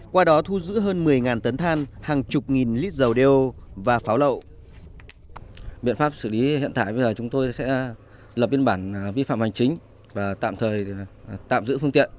qua đó thu giữ hơn một mươi tấn than hàng chục nghìn lít dầu đeo và pháo lậu